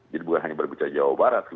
jadi bukan hanya berbicara jawa barat